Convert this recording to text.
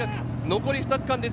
残りはあと２区間です。